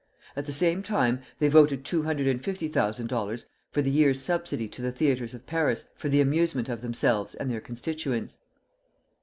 At the same time they voted two hundred and fifty thousand dollars for the year's subsidy to the theatres of Paris for the amusement of themselves and their constituents.